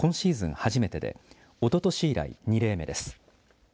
初めてでおととし以来２例目です。